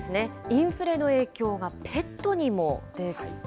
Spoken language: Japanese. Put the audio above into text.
インフレの影響がペットにもです。